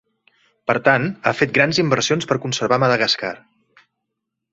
Per tant, ha fet grans inversions per conservar Madagascar.